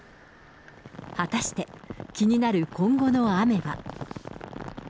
果たして気になる今後の雨は。